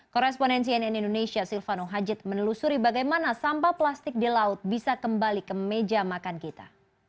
korespondensi nn indonesia silvano hajid menelusuri bagaimana sampah plastik di laut bisa kembali ke meja makan kita